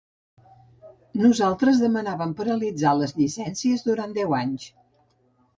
Nosaltres demanàvem paralitzar les llicències durant deu anys